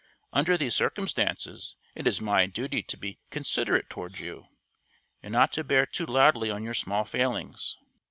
Under these circumstances, it is my duty to be considerate toward you, and not to bear too hardly on your small failings.